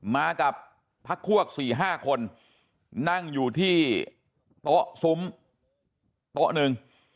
มากับพักพวก๔๕คนนั่งอยู่ที่โต๊ะซุ้มโต๊ะหนึ่ง